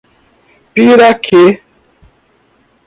Piraquê